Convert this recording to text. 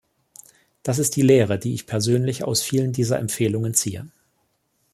Das ist die Lehre, die ich persönlich aus vielen dieser Empfehlungen ziehe.